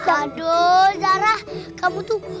aduh zara kamu tuh